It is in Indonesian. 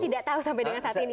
tidak tahu sampai dengan saat ini